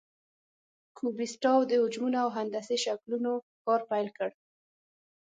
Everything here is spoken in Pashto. کوبیسټاو د حجمونو او هندسي شکلونو کار پیل کړ.